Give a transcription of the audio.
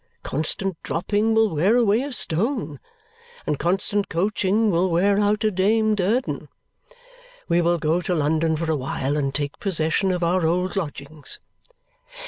Constant dropping will wear away a stone, and constant coaching will wear out a Dame Durden. We will go to London for a while and take possession of our old lodgings."